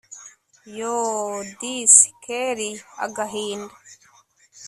yoooohdisi kellia agahinda